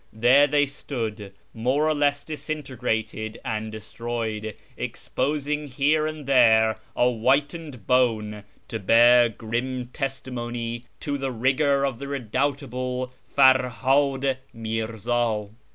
There they stood, more or less disintegrated and destroyed, exposing here and there a whitened bone, to bear grim testimony to the rigour of the redoubtable Ferhad Mirza.